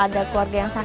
ada apa ya